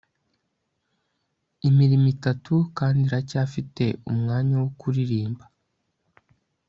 imirimo itatu, kandi iracyafite umwanya wo kuririmba